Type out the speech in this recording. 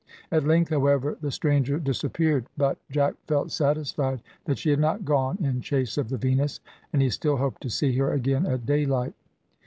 At length, however, the stranger disappeared, but Jack felt satisfied that she had not gone in chase of the Venus, and he still hoped to see her again at daylight.